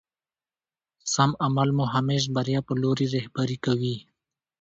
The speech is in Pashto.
سم عمل مو همېش بريا په لوري رهبري کوي.